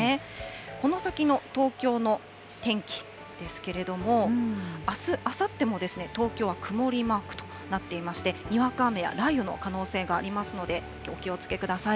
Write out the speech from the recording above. この先の東京の天気ですけれども、あす、あさっても、東京は曇りマークとなっていまして、にわか雨や雷雨の可能性がありますのでお気をつけください。